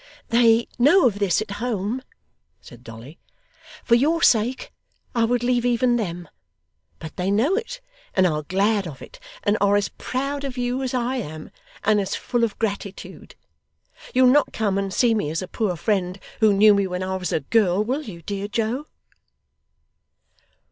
'They know of this, at home,' said Dolly. 'For your sake, I would leave even them; but they know it, and are glad of it, and are as proud of you as I am, and as full of gratitude. You'll not come and see me as a poor friend who knew me when I was a girl, will you, dear Joe?